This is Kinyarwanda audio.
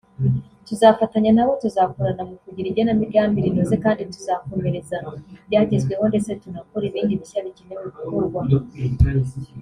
tuzafatanya nabo tuzakorana mu kugira igenamigambi rinoze kandi tuzakomereza ku byagezweho ndetse tunakore ibindi bishya bikenewe gukorwa